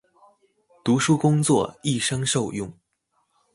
讀書工作，一生受用